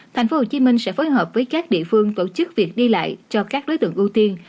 tp hcm sẽ phối hợp với các địa phương tổ chức việc đi lại cho các đối tượng ưu tiên